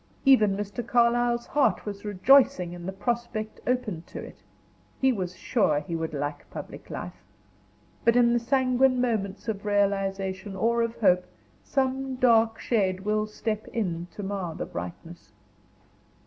Even Mr. Carlyle's heart was rejoicing in the prospect opened to it; he was sure he should like a public life; but in the sanguine moments of realization or of hope, some dark shade will step in to mar the brightness.